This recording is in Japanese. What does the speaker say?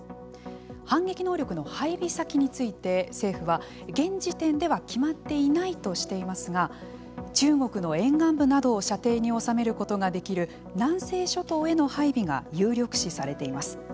反撃能力の配備先について政府は、現時点では決まっていないとしていますが中国の沿岸部などを射程におさめることができる南西諸島への配備が有力視されています。